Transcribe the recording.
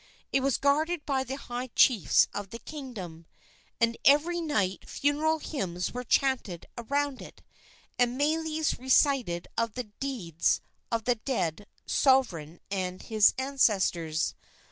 It was guarded by the high chiefs of the kingdom, and every night funeral hymns were chanted around it, and meles recited of the deeds of the dead sovereign and his ancestors.